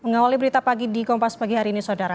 mengawali berita pagi di kompas pagi hari ini saudara